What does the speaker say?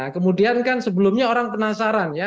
kemudian kan sebelumnya orang penasaran ya